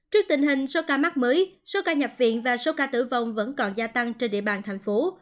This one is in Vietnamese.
trước tình hình số ca mắc mới số ca nhập viện và số ca tử vong vẫn còn gia tăng trên địa bàn thành phố